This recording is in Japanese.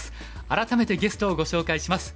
改めてゲストをご紹介します。